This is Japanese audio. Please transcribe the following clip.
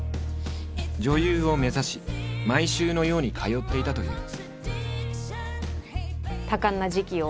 女優を目指し毎週のように通っていたという。